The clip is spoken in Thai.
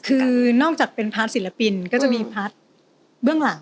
คือนอกจากเป็นทัสสินละปินก็จะมีทัสเบื้องหลัง